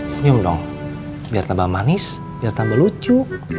senyum dong biar tambah manis biar tambah lucu